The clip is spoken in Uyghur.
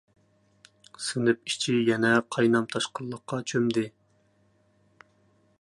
سىنىپ ئىچى يەنە قاينام-تاشقىنلىققا چۆمدى.